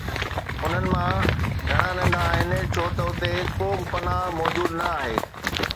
انھن مان گھڻا ننڍا آھن ڇو ته اتي ڪو به پناهه موجود نه آھي.